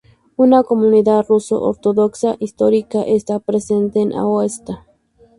Una comunidad ruso ortodoxa histórica está presente en Aosta.